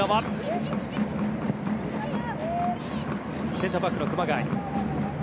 センターバックの熊谷。